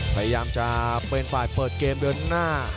พยายามจะเป็นฝ่ายเปิดเกมเดินหน้า